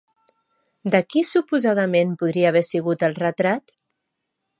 De qui suposadament podria haver sigut el retrat?